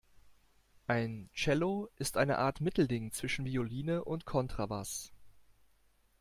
Ein Cello ist eine Art Mittelding zwischen Violine und Kontrabass.